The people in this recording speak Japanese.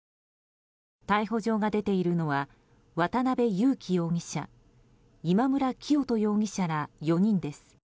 逮捕状が出ているのは渡邉優樹容疑者今村磨人容疑者ら４人です。